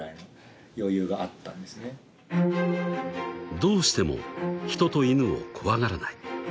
［どうしても人とイヌを怖がらない］